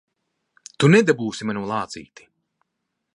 Tu nedabūsi manu lācīti!